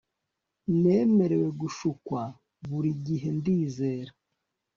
Nemereye gushukwa buri gihe Ndizera